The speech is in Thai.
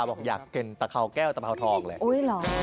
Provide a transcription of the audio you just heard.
คุณดามอยากเก่งเปล่าแก้วเป้าทองล่ะ